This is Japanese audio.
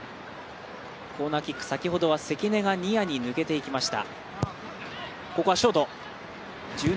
コーナーキック、先ほどは関根がニアに抜けていきました。